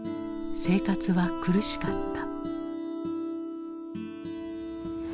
生活は苦しかった。